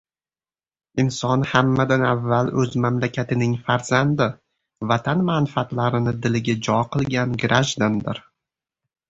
Inson hammadan avval o‘z mamlakatining farzandi, vatan manfaatlarini diliga jo qilgan grajdanindir.